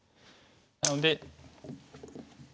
なので。